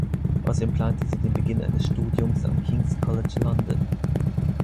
Außerdem plante sie den Beginn eines Studiums am King's College London.